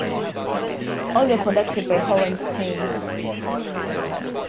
All were conducted by Horenstein.